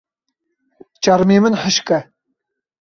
Çermê min hişk e.